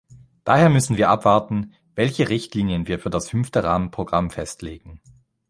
Daher müssen wir abwarten, welche Richtlinien wir für das Fünfte Rahmenprogramm festlegen.